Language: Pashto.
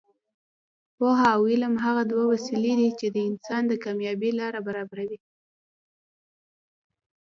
پوهه او علم هغه دوه وسلې دي چې د انسان د کامیابۍ لاره برابروي.